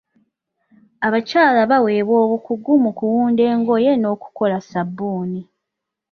Abakyala baaweebwa obukugu mu kuwunda engoye n'okukola sabbuuni.